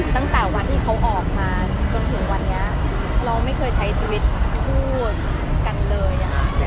ตั้งแต่วันที่เขาออกมาจนถึงวันนี้เราไม่เคยใช้ชีวิตคู่กันเลยอะค่ะ